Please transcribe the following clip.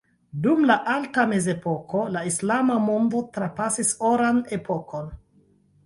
Dum la Alta Mezepoko, la islama mondo trapasis oran epokon.